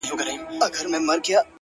• مګر پام کوه چي خوله دي نه کړې خلاصه ,